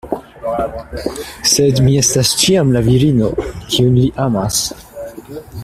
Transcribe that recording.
Sed mi estas ĉiam la virino, kiun li amas.